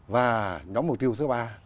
và nhóm mục tiêu thứ ba